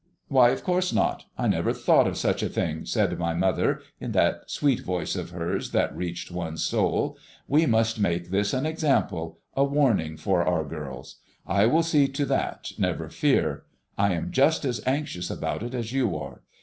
"Why, of course not; I never thought of such a thing," said my mother, in that sweet voice of hers that reached one's soul. "We must make this an example, a warning for our girls. I will see to that, never fear. I am just as anxious about it as you are.